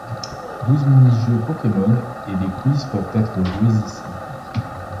Douze mini-jeux Pokémon et des quiz peuvent être joués ici.